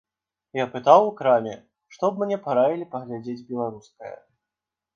Я пытаў у краме, што б мне параілі паглядзець беларускае.